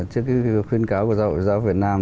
trước khuyến cáo của giáo hội phật giáo việt nam